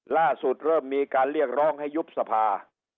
เริ่มมีการเรียกร้องให้ยุบสภา